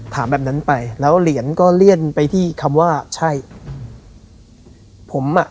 แบบนั้นไปแล้วเหรียญก็เลี่ยนไปที่คำว่าใช่ผมอ่ะ